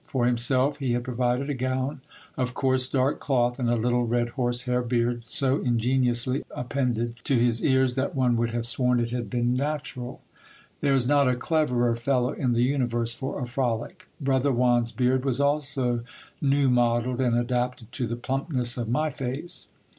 For himself he had provided a gown of coarse dark cloth, and a little red horse hair beard, so ingeniously appended to his ears, that one woidd have sworn it had been na tural. There is not a cleverer fellow in the universe for a frolic. Brother Juan's beard was also new modelled, and adapted to the plumpness of my face.